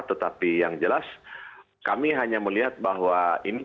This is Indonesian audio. tetapi yang jelas kami hanya melihat bahwa ini